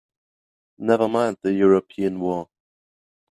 Never mind the European war!